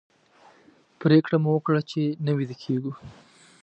پرېکړه مو وکړه چې نه ویده کېږو.